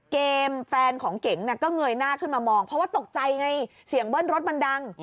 เกมแฟนของเก๋งก็เงยหน้าขึ้นมามองเพราะว่าตกใจไงเสียงเบิ้ลรถมันดัง